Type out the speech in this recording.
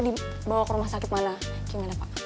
dibawa ke rumah sakit malah gimana pak